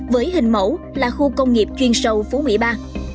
với hình mẫu là khu công nghiệp chuyên sâu phú mỹ ba